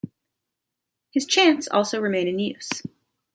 His chants also remain in use.